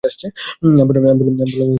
আমি বললাম, হে বোন!